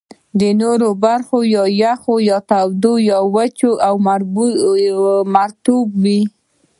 نورې برخې یا یخ، یا تود، یا وچه او مرطوبه وې.